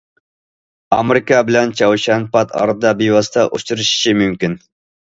ئامېرىكا بىلەن چاۋشيەن پات ئارىدا بىۋاسىتە ئۇچرىشىشى مۇمكىن.